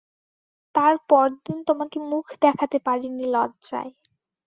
তার পরদিন তোমাকে মুখ দেখাতে পারি নি লজ্জায়।